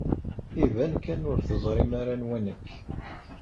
Iban kan ur teẓrim ara anwa nekk.